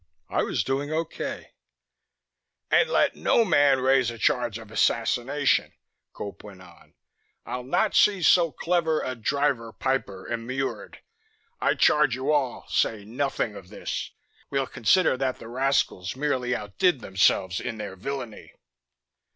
I was doing okay. "And let no man raise a charge of Assassination," Gope went on. "I'll not see so clever a Driver Piper immured. I charge you all: say nothing of this! We'll consider that the rascals merely outdid themselves in their villainy."